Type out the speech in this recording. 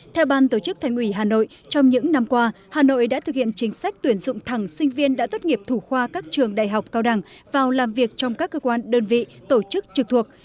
theo ban tổ chức thành ủy hà nội trong những năm qua hà nội đã thực hiện chính sách tuyển dụng thẳng sinh viên đã tốt nghiệp thủ khoa các trường đại học cao đẳng vào làm việc trong các cơ quan đơn vị tổ chức trực thuộc